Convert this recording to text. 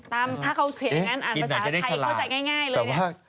ถ้าเขาเขียนอย่างนั้นอ่านภาษาไทยเข้าใจง่ายเลยเนี่ย